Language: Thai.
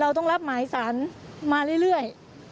เราต้องรับหมายสารมาเรื่อย